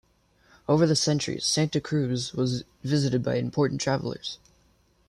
Over the centuries Santa Cruz was visited by important travellers.